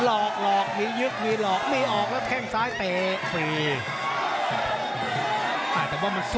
โอ้โหสวยงาม